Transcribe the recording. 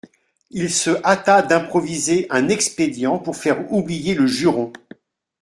Il se hâta d'improviser un expédient pour faire oublier le juron.